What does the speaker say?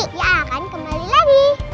dia akan kembali lagi